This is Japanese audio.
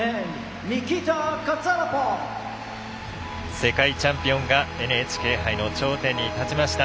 世界チャンピオンがＮＨＫ杯の頂点に立ちました。